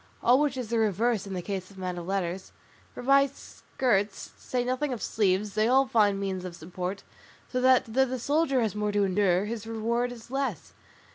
All which is the reverse in the case of men of letters; for by skirts, to say nothing of sleeves, they all find means of support; so that though the soldier has more to endure, his reward is much less.